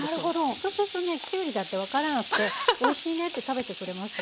そうするとねきゅうりだって分からなくて「おいしいね」って食べてくれますよ。